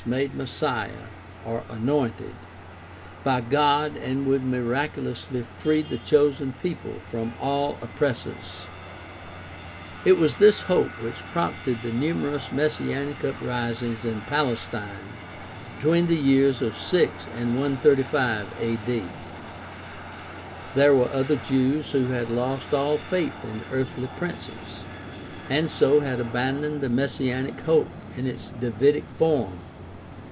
made Messiah (Anointed) — by God and would miraculously free the chosen people from all oppressors. It was this hope which prompted the numerous messianic uprisings in Palestine between the years 6 and 135 a.d. There were other Jews who had lost all faith in earthly princes, and so had abandoned the messianic hope in its Davidic form.